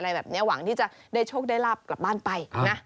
อะไรแบบนี้หวังที่จะได้โชคได้ลาบกลับบ้านไปนะ